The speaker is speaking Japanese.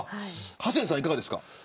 ハセンさんはいかがですか。